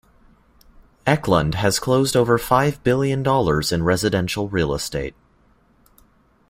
Eklund has closed over five billion dollars in residential real estate.